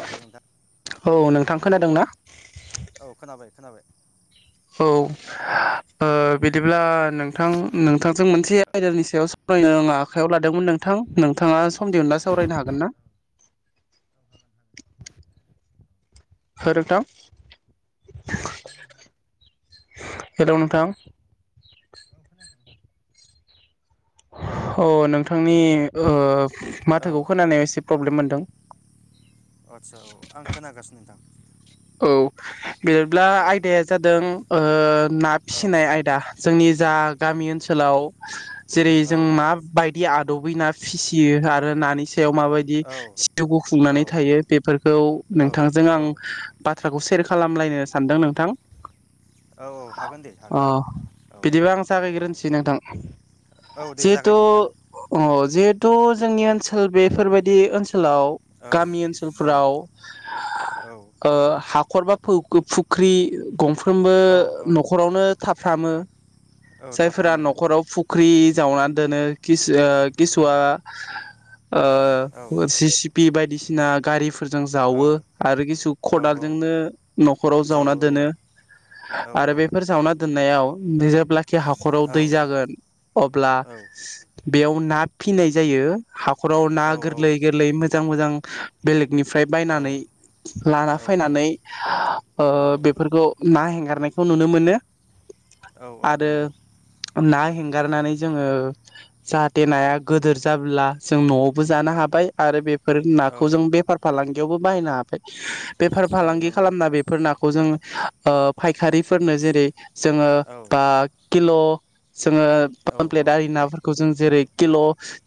हेल' नोंथां औ नोंथां हेल' खोनादों ना? औ खोनाबाय खोनाबाय औ औ ओ औ बिदिब्ला नोंथां नोंथांजों मोनसे आयदानि सायाव [unintelligible] आं आखायाव लादोंमोन नोंथां नोंथाङा सम दिहुनला सावरायनो हागोन ना? हागोन हागोन [unintelligible] हेल्लो नोंथां औ खोनायाखै नोंथां अ नोंथांनि ओ औ माथोखौ खोनानायाव एसे प्रब्लेम मोनदों आदसा औ आं खोनागासिनो नोंथां औ औ आयदाया जादों ओ ना औ फिसिनाय आयदा जोंनि जा गामि ओनसोलाव जेरै औ जों माबायदि आदबै ना फिसियो आरो नानि सायाव माबायदि औ सिउखौ खुंनानै थायो बेफोरखौ औ नोंथांजों आं औ बाथ्राखौ सेयार खालामलायनो सानदों नोंथां औ हागोन दे अ हागोन औ बिदिबा आं औ जागायग्रोनोसै नोंथां औ दे जिहेथु जागायदो नोंथां अ जेहुत जोंनि ओनसोल बेफोरबायदि ओनसोल औ [unintelligible] गामि औ ओनसोलफोराव औ ओ हाखर बा फ-फुख्रि गंफ्रोमबो औ औ न'खरावनो थाब [unintelligible] औ जायफोरा थाफ्रामो औ न'खराव फुख्रि जावनानै दोनो कि ओ औ किसुवा ओ [unintelligible] औ [unintelligible] गारि फोरजों औ जावो आरो [unintelligible] औ औ खदालजोंनो न'खराव जावना जावो औ दोनो औ आरो बेफोर जावना [unintelligible] खि हाखराव औ दै जागोन अब्ला औ बेयाव ना फिनाय जायो खराव ना औ गोरलै गोरलै मोजां मोजां बेलेग निफ्राय बायनानै लाना फैनानै औ बेफोरखौ ना हें गारनायखौ नुनो मोनो औ औ आरो नंगौ ना हें गारनानै जोङो जाहाथे नाया गदोर जाब्ला जों न'आवबो जानो हा आरो बेफोर औ नाखौ जों बेफार फालांगि बेयावबो बायना हाबाइ [unintelligible] बेफार औ फालांगि नंगौ खालामना बेफोर नाखौ जों फायखारिफोरनो जेरै जोङो औ बा किल' जोङो पामप्लेट आरि नाफोरखौ जों जेरै किल'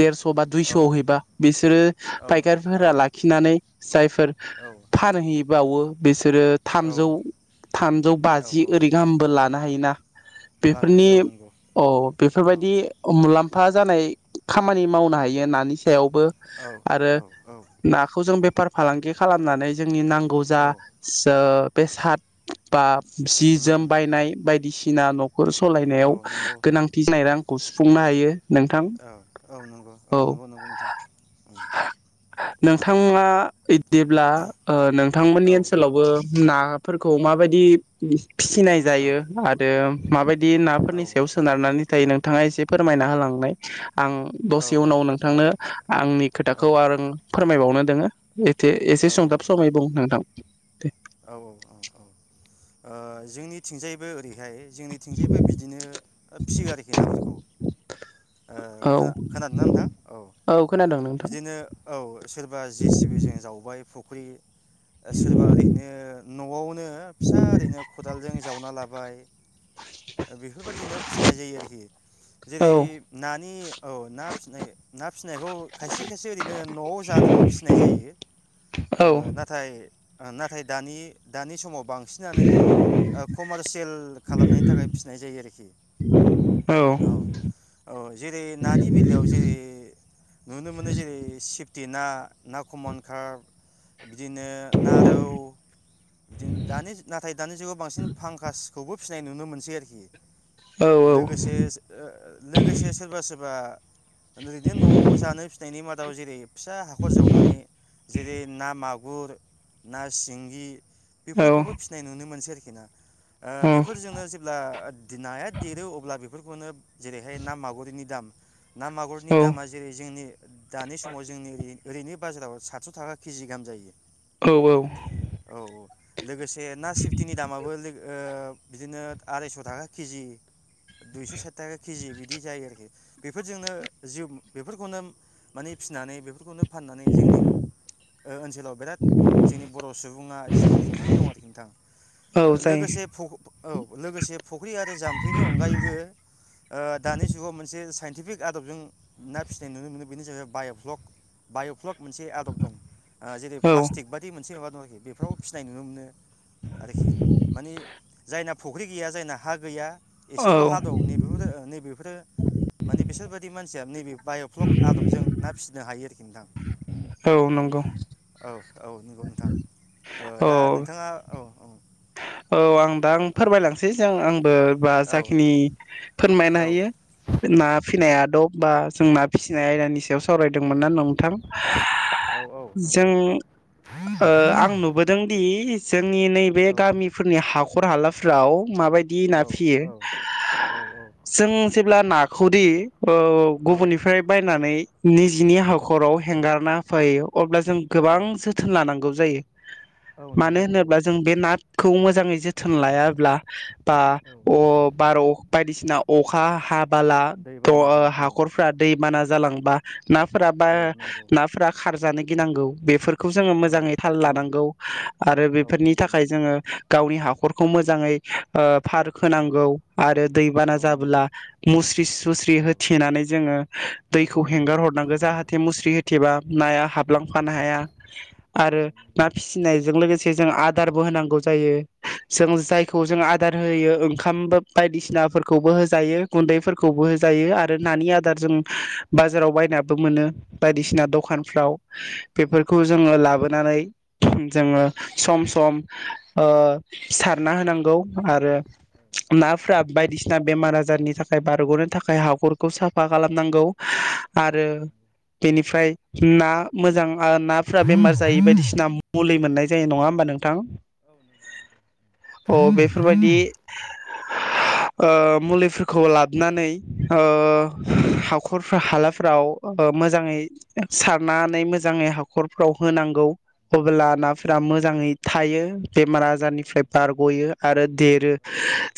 देरस' बा दुइस'आव हैबा बिसोरो फायकारिफोरा औ लाखिनानै जायफोर बिबावो बेसो बिसोरो थामजौ औ थामजौ औ बाजि ओरै गाहामबो ला ना हायोना लानो बेफोरनि हायो औ नंगौ औ औ बेफोरबायदि मुलाम्फा फा जानाय खामानि मावनो हायो होननानैसो बेयावबो औ आरो औ औ नाखौ जों बेफा बेफार फालांगि खालामनानै नि नांगौ औ जा स बेसाद बा सि उम जोम उम बायनाय बायदिसिना इनाल' न'खर औ सालायनायाव नंगौ गोनांथि जानायदां खौ सुफुंनो हायो। नोंथां औ औ नंगौ औ नंगौ नंगौ नोंथां। नोंथाङा जेब्ला ओ औ नोंथांमोननि ओनसोलावबो नाफोरखौ माबायदि फिसिनाय औ जायो? आरो माबायदि बि औ नाफोरनि सायाव सोनारनानै थायो नोंथाङा एसे फोरमायना होनाय आं औ दसे उनाव औ नोंथांनो आंनि खोथाखौ आरो फोरमायबाव नो दोङो एसे, एसे सुंथाब समाय बुं नोंथां दे औ औ ओं औ ओ जोंनिथिंजायबो ओरैहाय जोंनिथिंजायबो बिदिनो फिसियो आरोखि नाफोरखौ। ओ औ खोना खोनादोंना नोंथां औ खोनादों नोंथां बिदिनो औ सोरबा जेसिबिजों जावबाय फख्रि सोरबा ओरै नो न'आव नो फिसा ओरैनो खदालजों जावना लाबाय बेफोरबायदिनो फिसिनाय जायो आरोखि औ जेरै नानि औ ना फिनाय ना फिसिनायखौ खायसे खायसे ओरैनो न'आव जानोल' फिसिनाय जायो ओ औ नाथाय आ नाथ थाय दानि दानि समाव बांसिनानो बेखौ ओ कमारसियेल खालामनायनि थाखाय फिसिनाय जायो आरोखि औ औ जेरै नानि बेलायाव जेरै नुनो मोनो जेरै सिफ फुथि ना ना खमन खार बिदिनो ना रौ बिदिनो खौबो फिसिनाय नुनो मोनसै आरोखि औ लोगोसे लोगोसे सोरबा सोरबा ओरैनो न' जानो फिनायनि माथ दाव जेरै फिसा हाखर जावनानै जेरै ना माग गुर ना सिंगि औ बेफोरखौबो फिसिनाय नुनो मोनसै आरोखि खि ना ओ बेफोरजोंनो जेब्ला नाया देरो अब्ला बे बेफोरखौनो जेरैहाय ना मागुरिनि दाम ना मागुरनि दामा जेरै जोंनि दानि समाव जोंनि ओरै ओरैनो बाजाराव सातस' थाखा केजि गाहाम जायो। औ औ लोगोसे ना सिफटिनि दामाबो लोगो बिदिनो आरायस' थाखा केजि दुइस' साइथ थाखा केजि बिदि जायो आरोखि बेफोरजोंनो जिउ बेफोरखौनो माने फिनानै बेफोरखौनो फाननानै जोंनि ओनसोलाव बिराद जोंनि बर' सुबुङा जिउ खुंनानै दं आरोखि नोंथां औ जायो लोगोसे औ लोगोसे फुख्रि आरो जाम्फैनि अनगायैबो दानि जुगाव मोनसे साइ फिक आदबजों ना फिसिनाय नुनो मोनो बेनो जाहैबाय बाय'फ्लक बायफ्लक मोनसे आदब दं जेरै प्लास बायदि मोनसे माबा दं आरोखि बेफोराव फिसिनाय नुनो मोनो आरोखि मानिे जायना फुख्रि गैया जायना हा गैया औ औ एसेल' हा दं नैबेफोर नैबेफोरो मे बिसोरबाददि मानसिया नैबे बाय'फ्लक आदबजों ना फिसिनो हायो आरोखि नोंथां। औ नंगौ। औ औ नंगौ नोंथां दा औ नोंथाङा औ औ। औ आं दा आं फोरमायलांनोसै जों आं बा औ जाखिनि फोरमायनो हायो ना फिनाय आदब बा जों ना फिसिनाय आयदानि सायाव सावरायदोंमोन ना नोंथां औ नंगौ जों आं नुबोदोंदि जोंनि नैबे औ गामिफोरनि हा नखर हालाफ्राव माबाय बिदि औ औ ना फिसियो औ औ जों जेब्ला नाखौदि गुबुननिफ्राय बायनानै निजिनि हाखराव हेंगारना फायो अब्ला जो जों गोबां जोथोन लानांगौ जायो औ मानो नंगौ नंगौ होनोब्ला जों बे नाथ खौ मोजाङै जोथोन लायाब्ला बा औ अ बार बायदिसिना अखा हाब बाला दं दैबानाजों अ औ औ हाखरफोरा दै बाना जालांबा नाफोरा बा औ नंगौ नाफोरा खारज गिनांगौ बेफोरखौ खौ जोङो औ मोजाङै थाल औ लानांगौ आरो औ बेफोरनि नंगौ थाखाय जोङो गावनि हाखरखौ मोजाङै ओ फार औ खोनांगौ आरो दैबाना औ नंगौ जाबोला मुस्रि सुस्रि औ होथेनानै जोङो दैखौ होथेनांगौ हेंगार हरनांगौ जाहाथे मुस्रि होथेबा औ औ नाया औ हाबलांफानो हाया आरो नंगौ ना फिसिनायजों लोगोसे जों गारबो होनांगौ जायो जों आदारबो जायखौ होनांगौ जों आदार होयो ओंखामबो बायदिसिनाफोरखौबो होजायो गुन्दैफोर खौबो होजायो आरो औ नानि गुन्दै आदार होजायो जों बाजाराव औ बायनाबो मोनो बायदिसिना औ दखानफ्राव नंगौ औ बेफोरखौ जोङो नंगौ लाबोनानै जोङो औ सम सम औ ओ सारना होनांगौ आरो औ नाफ्रा बायदिसिना बेमार आजारनि थाखाय बारग'नो थाखाय हाखरखौ साफा खालामनांगौ आरो औ नंगौ बेनिफ्राय ना मोजां आ नाफ्रा बेमार जायो बायदिसिना मुलि मोननाय जायो नङा होमबा नोंथां औ नंगौ औ नंगौ औ नंगौ औ नंगौ औ अ बेफोरबायदि ओ मुलिफोरखौ लाबनानै ओ हाखरफ्रा हालाफ्राव ओ मोजाङै सारनानै मोजाङै हाखरफ्राव होनांगौ अब्ला नाफोरा मोजाङै थायो बेमार आजारनिफ्राय बारगयो आरो देरो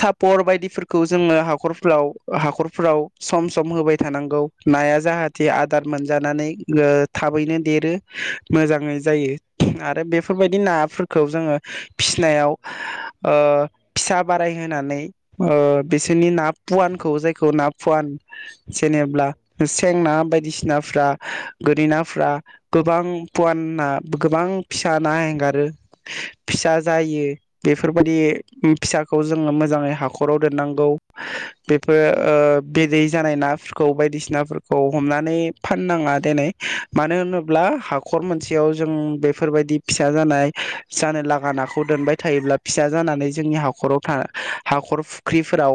सापर बायदिफोरखौ जोङो हाखरफ्राव ओ हाखरफ्राव सम सम होबाय थानांगौ नाया जाहाथे आदार मोनजानानै ओ थाबैनो देरो मोजाङै जायो आरो बेफोरबायदि नाफोरखौ जोङो फिसिनायाव ओ फिसा बाराय होनानै ओ बिसोरनि ना पुवानखौ जायखौ ना पुवान जेनेबा सें ना बायदिसिनाफ्रा गोरि नाफ्रा गोबां पुवाना गोबां फिसा ना एंगारो फिसा जायो बेफोरबायदि फिसाखौ जोङो मोजाङै हाखराव दोननांगौ बेफोर ओ बिदै जानाय नाफोरखौ बायदिसिनाफोरखौ हमनानै औ फाननाङा दिनै मानो औ होनोब्ला औ हाखर मोनसेयाव जों बेफोरबायदि फिसा जानाय जानो ला नाखौ दोनबाय थायोब्ला फिसा जानानै जोंनि हाखराव था हाखर फुख्रिफोराव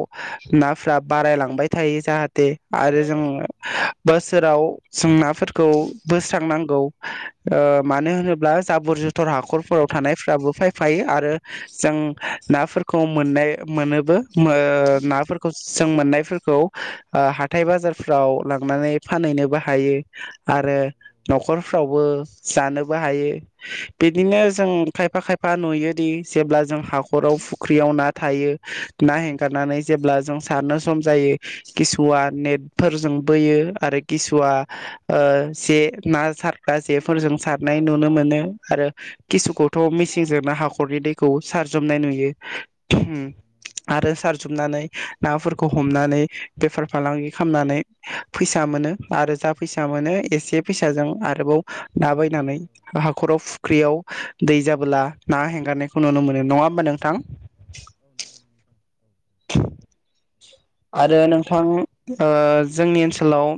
नाफोरा बारायलांबाय थायो जाहा दे आरो जों बोसोराव जों नाफोरखौ बोस्रांनांगौ ओ मानो होनोब्ला जाबोर जुथर हाखरफोराव थानायफ्राबो सायफायो आरो जों औ आयौ औ औ नाफोरखौ मोननाय मोनो बो मो औ औ नाफोरखौ जों मोननायफोरखौ ओ हाथाय बाजारफ्राव लांनानै फानहैनोबो हायो आरो नखरफ्रावबो जानोबो हायो बिदिनो जों औ खायफा खायफा नुयोदि जेब्ला जों हाखराव फुख्रियाव ना थायो ना हेंगारनानै जेब्ला जों सानो सम जायो खिसुवा नेटफोरजों बोयो आरो खिसुवा ओ जे ना सारग्रा जे फोरजों औ सारनाय नुनो मोनो आरो किसुखौथ' मिसि जोंना हाखरनि दैखौ सारजुबनाय नुयो ओम आरो सारजुबनानै नाफोरखौ हमनानै बेफार फालांगि खाआमनानै फैसा मोनो। आरो जा फैसा मोनो एसे फैसाजों आरोबाव ना बायनानै हाखराव फुख्रियाव दै जाबोल ना हेंगारनायखौ नुनो मोनो नङा होमबा नोंथां? औ नंगौ औ नंगौ नंगौ नोंथां औ औ औ आरो नोंथां ओ जोंनि औ ओनसोलाव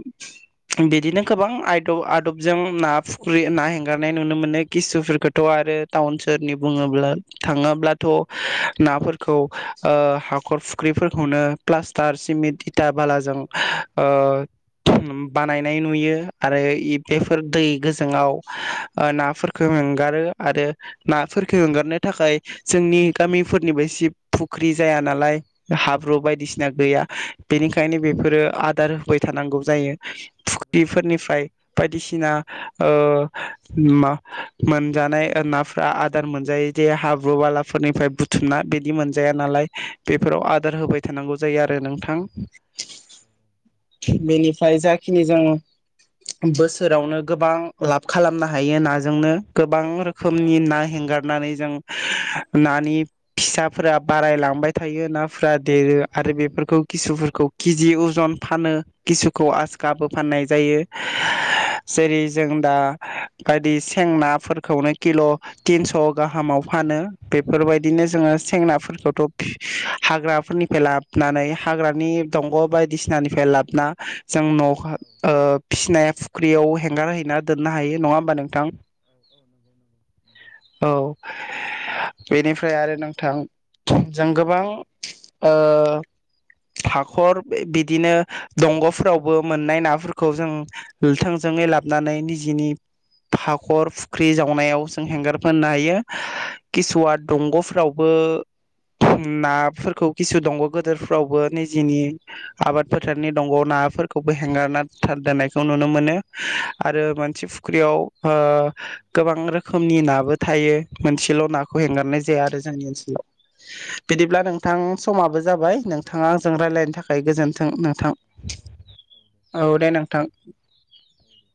बिदिनो गोबां आयद' दबजों ना फुख्रि ना हेंगारनाय नुनो मोनो किसुफोरखौथ' आरो टाउन सोहोरनि बुङोब्ला थाङोब्लाथ' औ औ नाफोरखौ ओ हाखर औ औ फुख्रिफोरखौनो प्लास्टार स्मित औ इथा औ बालाजों ओ ओम बानाय नाय नुयो आरो इ बेफोर दै गोजोङाव ओ नाफोरखौ एंगारो आरो नाफोरखौ औ एंगारनो थाखाय जोंनि औ गामिफोरनिबायसि फुख्रि जाया नालाय हाब्रु औ बायदिसि ना नंगौ नंगौ गैया बेनिखायनो औ बेफोरो आदार होबाय थानांगौ जायो। होबाय थानांगौ औ फुख्रिफोरनिफ्राय नंगौ बायदिसिना औ ओ मा मोनजानाय ओ नाफोरा आदार मोनजायो जे हाब्रु बालाफोरनिफ्राय औ बुथुमना बिदि मोनजाया नालाय बेफोराव औ आदार होबाय थानांगौ। जायो आरो नोंथां औ बेनिफ्राय जाखिनि जों औ बोसोरावनो गोबां लाब खालामनो हायो नाजोंनो गोबां हायो रोखोमनि हायो ना हेंगारनानै जों नानि फिसाफोरा बारायलांबाय थायो नाफोरा देरो। औ आरो बेफोरखौ औ किसुफोरखौ केिजि अजन फानो किसु खौ औ आसगाबो फाननो फाननाय हायो जायो औ औ औ जेरै जों दा बायदि औ सेंनाफोरखौनो किल' सेंना औ थिनस' औ गाहामाव फानो औ औ बेफोरबायदिनो जोङो सेंनाफोरखौथ' हाग्राफोरनि फेलाब नानै हाग्रानि दंग' औ औ बायदिसिनानिफ्राय लाबोना जों न' ओ फिसिनाय फुख्रियाव हेंगारहैना दोननो हायो नङा होमबा नोंथां? औ नंगौ नंगौ नंगौ औ औ बेनिफ्राय आरो नोंथां जों गोबां ओ हाखर बिदिनो दंग'फोरावबो मोननाय नाफोरखौ जों थोंजोङै लाबोनानै निजिनि औ हाखर फुख्रि जावनायाव जों हेंगार फैनो हायो किसुआ दंग'फोरावबो औ नाफोरखौ किसु दंग' गोदोरफ्रावबो निजिनि आबाद फोथारनि दंग' नाफोरखौबो हेंगारना था दोननायखौ नुनो मोनो आरो मोनसे फुख्रियाव ओ गोबां रोखोमनि नाबो थायो मोनसेल' औ नाखौ औ हेंगारनाय जाया आरो जोंनि ओनसोलाव बिदिब्ला नों नोंथां औ समाबो औ जाबाय टाइमाबो जाबाय नोंथाङा नोंथां आंजों औ दे रायलायनो दे थाखाय गोजोन्थों नोंथां औ औ दे औ दे नोंथां। औ दे